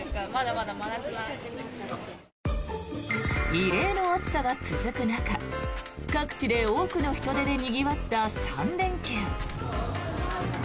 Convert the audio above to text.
異例の暑さが続く中各地で多くの人出でにぎわった３連休。